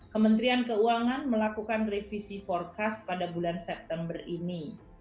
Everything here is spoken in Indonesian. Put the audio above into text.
kementerian keuangan melakukan revisi forecast pada bulan september ini